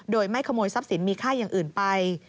โดยไม่ขโมยทรัพย์สินมีค่าอย่างอื่นไป